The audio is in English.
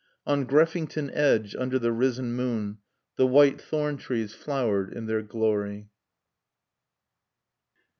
On Greffington Edge, under the risen moon, the white thorn trees flowered in their glory.